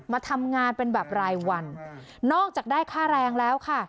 มาทำงานเป็นแบบรายวันนอกจากได้ค่าแรงแล้วค่ะ